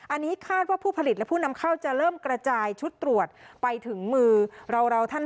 อันนี้คาดว่าผู้ผลิตและผู้นำเข้าจะเริ่มกระจายชุดตรวจไปถึงมือเราท่าน